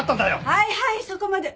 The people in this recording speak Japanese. はいはいそこまで！